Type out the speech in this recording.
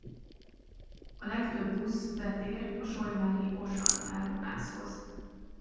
A legtöbb busz betér a solymári Auchan áruházhoz.